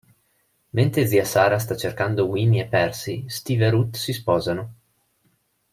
Mentre zia Sarah sta cercando Winnie e Percy, Steve e Ruth si sposano.